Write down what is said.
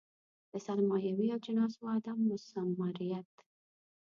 د سرمایوي اجناسو عدم مثمریت.